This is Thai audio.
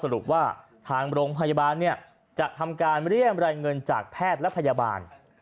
สรุปว่าทางโรงพยาบาลจะทำการเรียบรายเงินจากแพทย์และพยาบาล